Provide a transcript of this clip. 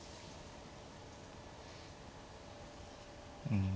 うん。